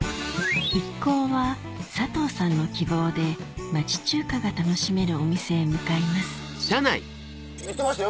一行は佐藤さんの希望で町中華が楽しめるお店へ向かいます言ってましたよ